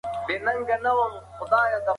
دا بکتریاوې د معدې ستونزې جوړوي.